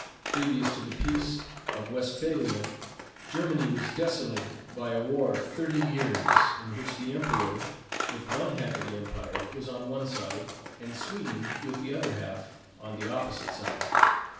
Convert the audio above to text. Previous to the peace of Westphalia, Germany was desolated by a war of thirty years, in which the emperor, with one half of the empire, was on one side, and Sweden, with the other half, on the opposite side.